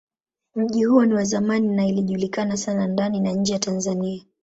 Mji huo ni wa zamani na ilijulikana sana ndani na nje ya Tanzania.